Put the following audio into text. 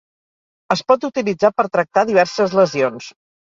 Es pot utilitzar per tractar diverses lesions.